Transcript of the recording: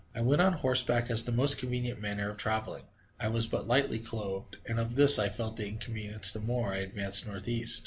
I went on horseback as the most convenient manner of travelling; I was but lightly clothed, and of this I felt the inconvenience the more I advanced northeast.